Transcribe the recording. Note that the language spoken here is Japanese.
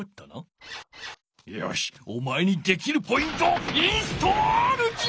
よしおまえにできるポイントをインストールじゃ！